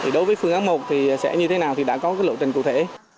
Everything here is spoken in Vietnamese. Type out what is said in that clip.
đối với phương án một thì sẽ như thế nào thì đã có lộ trình cụ thể